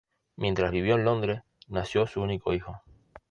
Mientras vivió en Londres nació su único hijo.